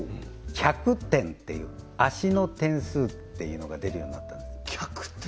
脚点っていう脚の点数っていうのが出るようになった脚点？